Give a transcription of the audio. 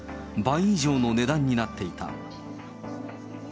倍以上の値段になっていた。